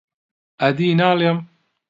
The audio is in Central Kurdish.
ئەدی ناڵێم